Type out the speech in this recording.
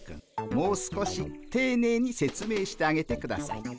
もう少していねいに説明してあげてください。